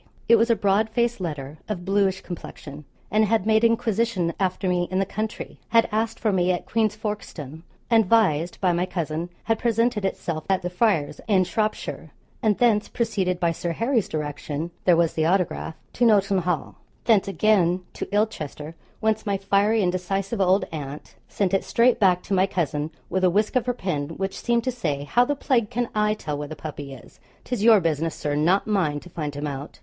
It was a broad faced letter, of bluish complexion, and had made inquisition after me in the country had asked for me at Queen's Folkstone; and, vised by my cousin, had presented itself at the Friars, in Shropshire, and thence proceeded by Sir Harry's direction (there was the autograph) to Nolton Hall; thence again to Ilchester, whence my fiery and decisive old aunt sent it straight back to my cousin, with a whisk of her pen which seemed to say, 'How the plague can I tell where the puppy is? 'tis your business, Sir, not mine, to find him out!'